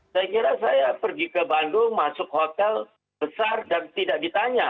saya kira saya pergi ke bandung masuk hotel besar dan tidak ditanya